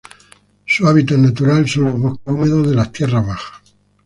Su hábitat natural son los bosques húmedos de las tierras bajas.